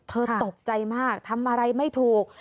ตกใจมากทำอะไรไม่ถูก